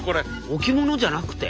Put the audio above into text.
置物じゃなくて？